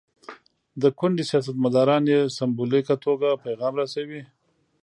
د کونډې سیاستمداران یې سمبولیکه توګه پیغام رسوي.